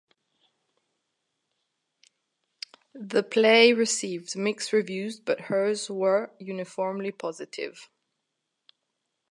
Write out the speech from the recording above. The play received mixed reviews but hers were uniformly positive.